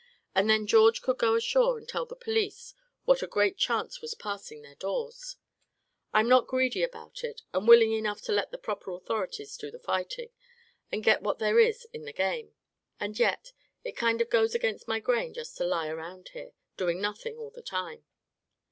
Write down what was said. And then George could go ashore to tell the police what a great chance was passing their doors. I'm not greedy about it, and willing enough to let the proper authorities do the fighting, and get what there is in the game. And yet, it kind of goes against my grain to just lie around here, doing nothing all the time."